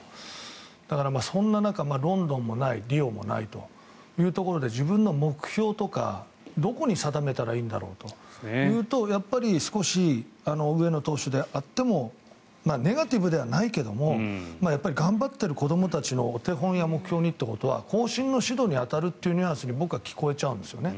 だから、そんな中ロンドンもないリオもないという中で自分の目標とかどこに定めたらいいんだろうというとやっぱり少し上野投手であってもネガティブではないけども頑張ってる子どもたちのお手本や目標にということは後進の指導に当たるというニュアンスに僕は聞こえちゃうんですよね。